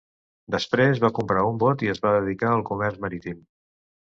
Després va comprar un bot i es va dedicar al comerç marítim.